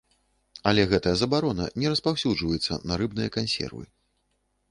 Але гэтая забарона не распаўсюджваецца на рыбныя кансервы.